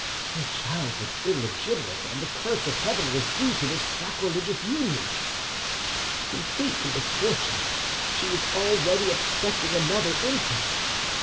Her child was illegitimate, and the curse of Heaven was due to this sacrilegious union. To complete the misfortune, she was already expecting another infant.